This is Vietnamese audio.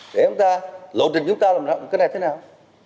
để chúng ta lộ trình chúng ta làm cái này thế nào